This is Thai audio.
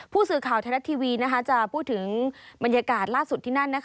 ผู้สื่อข่าวไทยรัฐทีวีจะพูดถึงบรรยากาศล่าสุดที่นั่น